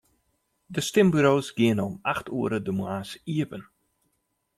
De stimburo's geane om acht oere de moarns iepen.